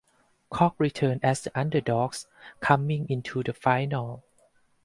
Cork returned as the underdogs coming into the final.